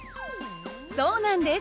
そうなんです。